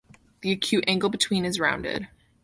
The acute angle between is rounded.